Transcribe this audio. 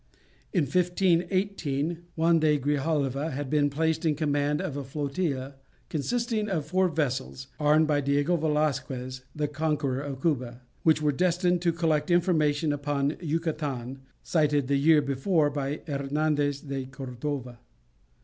In 1518, Juan de Grijalva had been placed in command of a flotilla, consisting of four vessels, armed by Diego Velasquez, the conqueror of Cuba, which were destined to collect information upon Yucatan, sighted the year before by Hernandez de Cordova.